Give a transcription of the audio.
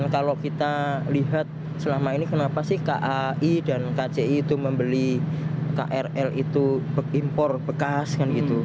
kalau kita lihat selama ini kenapa sih kai dan kci itu membeli krl itu impor bekas kan gitu